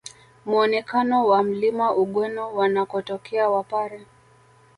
Muonekano wa Mlima Ugweno wanakotokea wapare